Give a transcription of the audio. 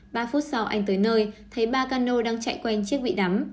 ba phút sau anh tới nơi thấy ba cano đang chạy quen chiếc bị đắm